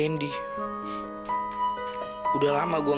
lo tadi udah tourist scan